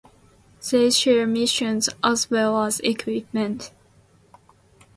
They share missions as well as equipment.